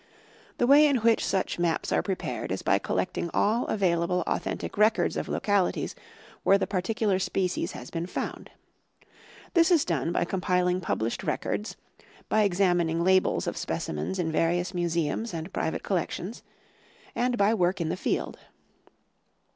The way in which such maps are prepared is by collecting all available authentic records of localities where the particular species has been found. This is done by compiling published records, by examin ing labels of specimens in various museums and private collec tions, and by work in the field.